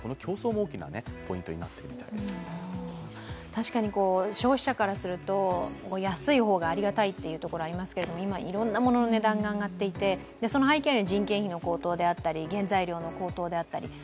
確かに消費者からすると、安い方がありがたいというところありますけど今、いろんなものの値段が上がっていて、その背景に人件費の高騰であったり原材料の高騰であったり。